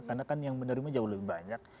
karena kan yang menerima jauh lebih banyak